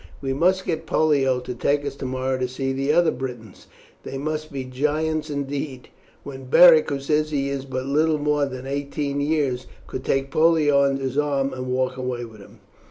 We must get Pollio to take us tomorrow to see the other Britons. They must be giants indeed, when Beric, who says he is but little more than eighteen years, could take Pollio under his arm and walk away with him."